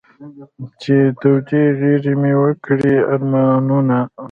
چې د تودې غېږې مې و کړې ارمانونه.